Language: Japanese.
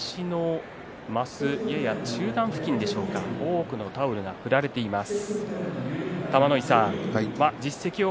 今日は西の升中段付近でしょうか多くのタオルが振られています。